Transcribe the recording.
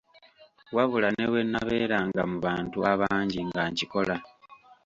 Wabula ne bwe nabeeranga mu bantu abangi ng'ankikola.